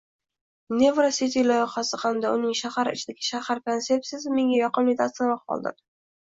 “Minerva City loyihasi hamda uning – “shahar ichidagi shahar” konsepsiyasi menda yoqimli taassurot qoldirdi.